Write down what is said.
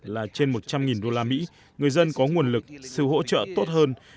là trên một trăm linh đô la mỹ người dân có nguồn lực sự hỗ trợ tốt hơn